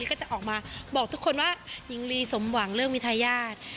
ก็จะออกมาบอกทุกคนว่าหญิงลีสมหวังเรื่องมีทายาท